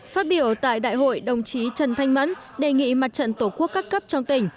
phát biểu tại đại hội đồng chí trần thanh mẫn đề nghị mặt trận tổ quốc các cấp trong tỉnh